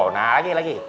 nah lagi lagi